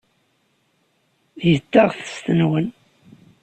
Get taɣtest-nwen.